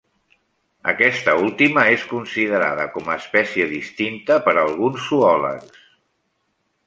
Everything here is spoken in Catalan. Aquesta última és considerada com a espècie distinta per alguns zoòlegs.